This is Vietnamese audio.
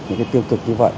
những cái tiêu cực như vậy